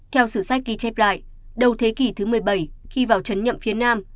theo sử sách ghi chép lại đầu thế kỷ thứ một mươi bảy khi vào chấn nhậm phía nam